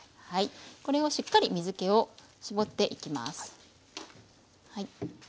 これをしっかり水けを絞っていきます。